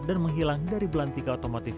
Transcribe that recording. dan menghilang dari belantika otomotif